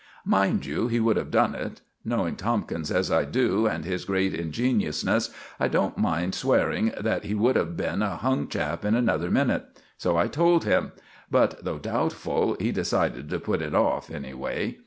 Mind you, he would have done it. Knowing Tomkins as I do, and his great ingeniousness, I don't mind swearing that he would have been a hung chap in another minute. So I told him; but, though doubtful, he decided to put it off, anyway.